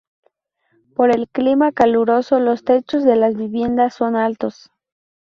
Por el clima caluroso los techos de las viviendas son altos.